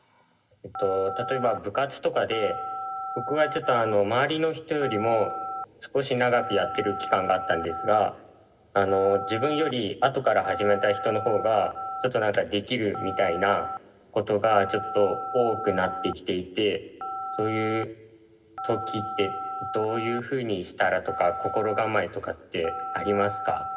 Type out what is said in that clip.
例えば部活とかで僕はちょっと周りの人よりも少し長くやってる期間があったんですが自分より後から始めた人の方ができるみたいなことがちょっと多くなってきていてそういう時ってどういうふうにしたらとか心構えとかってありますか？